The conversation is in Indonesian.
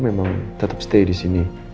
memang tetap stay di sini